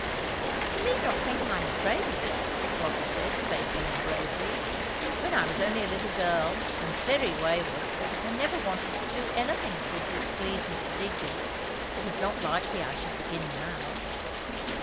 "You need not think I am afraid of it," Rotha said, facing them bravely. "When I was only a little girl, and very wayward, I never wanted to do anything that would displease Mr. Digby. It is not likely I should begin now."